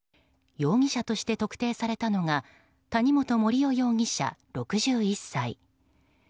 容疑者として特定されたのが谷本盛雄容疑者、６１歳。